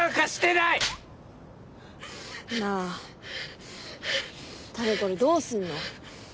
なあタケこれどうすんの？